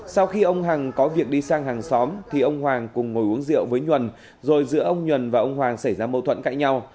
sau khi ông hằng có việc đi sang hàng xóm thì ông hoàng cùng ngồi uống rượu với nhuần rồi giữa ông nhuần và ông hoàng xảy ra mâu thuẫn cãi nhau